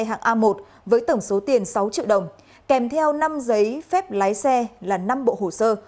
hạng a một với tổng số tiền sáu triệu đồng kèm theo năm giấy phép lái xe là năm bộ hồ sơ